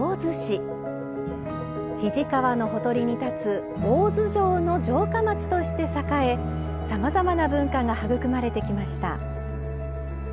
肱川のほとりに立つ「大洲城」の城下町として栄えさまざまな文化が育まれてきました。